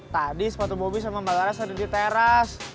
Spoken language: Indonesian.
tadi sepatu bobi sama mbak laras ada di teras